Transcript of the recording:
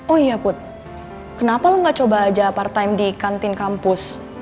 oh iya put kenapa lo gak coba aja part time di kantin kampus